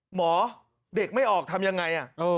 หมอเด็กไม่ออกทำยังไง